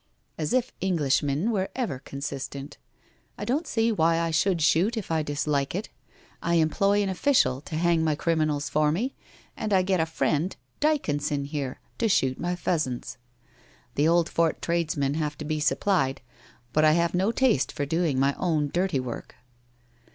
' As if Englishmen were ever consistent ! I don't see why I should shoot, if I dislike it. I employ an official to hang my criminals for me, and I get a friend, Dycon son here, to shoot my pheasants. The Oldfort tradesmen have to be supplied, but I have no taste for doing my own dirty work.'